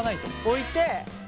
置いて。